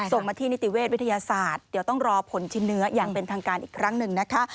ส่งมาที่นิติเวชวิทยาศาสตร์เดี๋ยวต้องรอผลชิ้นเนื้ออย่างเป็นทางการอีกครั้งหนึ่งนะคะ